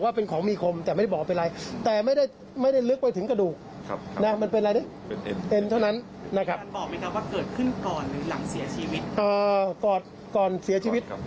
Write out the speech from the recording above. แล้วก็ไม่พบว่ามีการฟันหัดตามที่เป็นข่าวทางโซเชียลก็ไม่พบ